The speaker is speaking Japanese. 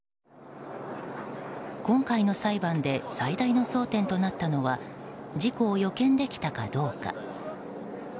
今回の裁判で最大の争点となったのは事故を予見できたかどうか。